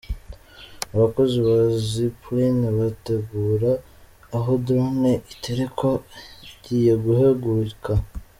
Abakozi ba Zipline bategura aho Drone iterekwa igiye guhaguruka.